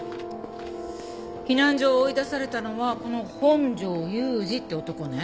避難所を追い出されたのはこの本庄勇治って男ね。